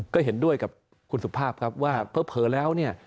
ก็เห็นด้วยกับคุณสุภาพครับว่าเผลอแล้วเนี่ย